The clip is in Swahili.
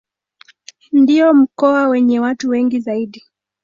Ndio mkoa wenye watu wengi zaidi.